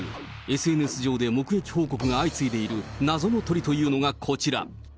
ＳＮＳ上で目撃報告が相次いでいる謎の鳥というのがこちら。